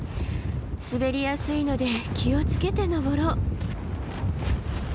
滑りやすいので気を付けて登ろう。